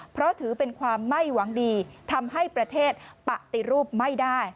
เพราะถือเป็นความไม่หวังดีทำให้ประเทศปฏิรูปไม่ได้